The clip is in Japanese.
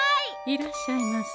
いらっしゃいませ。